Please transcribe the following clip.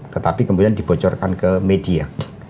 tetapi kemudian dibocorkan ke media